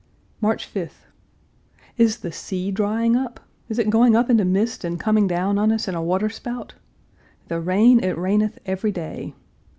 March 5th. Is the sea drying up? Is it going up into mist and coming down on us in a water spout? The rain, it raineth every day.